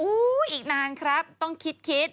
อีกนานครับต้องคิด